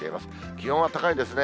気温は高いですね。